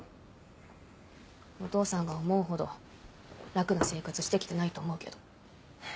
お父さんが思うほど楽な生活して来てないと思うけど。